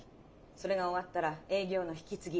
それが終わったら営業の引き継ぎ。